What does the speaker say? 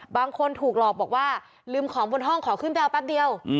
บางคนถูกหลอกบอกว่าลืมของบนห้องขอขึ้นไปเอาแป๊บเดียว